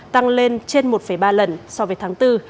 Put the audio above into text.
tăng lên trên một ba lần so với tháng bốn